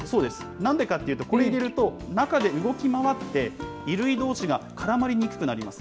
なんでかというと、これ入れると、中で動き回って、衣類どうしが絡まりにくくなります。